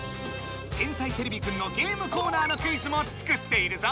「天才てれびくん」のゲームコーナーのクイズも作っているぞ！